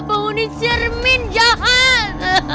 penghuni cermin jahat